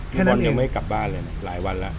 บอลยังไม่กลับบ้านเลยนะหลายวันแล้ว